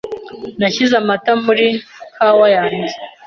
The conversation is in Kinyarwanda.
Nashyize amata muri kawa yanjye.